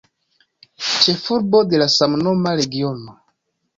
Ĉefurbo de la samnoma regiono.